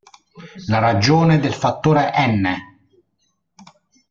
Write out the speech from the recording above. La ragione del fattore "N"!